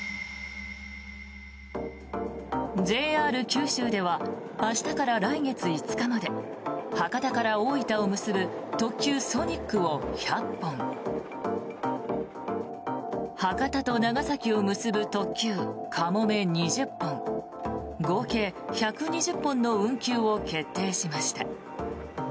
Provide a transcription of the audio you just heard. ＪＲ九州では明日から来月５日まで博多から大分を結ぶ特急ソニックを１００本博多と長崎を結ぶ特急かもめ２０本合計１２０本の運休を決定しました。